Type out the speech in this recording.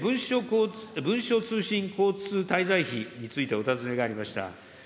文書通信交通滞在費についてお尋ねがありました。